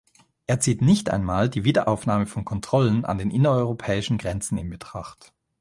Er zieht nicht einmal die Wiederaufnahme von Kontrollen an den innereuropäischen Grenzen in Betracht.